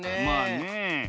まあねえ。